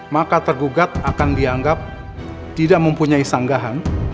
maka tergugat akan dianggap tidak mempunyai sanggahan